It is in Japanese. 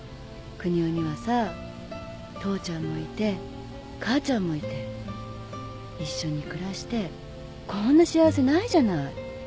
邦夫にはさ父ちゃんもいて母ちゃんもいて一緒に暮らしてこんな幸せないじゃない。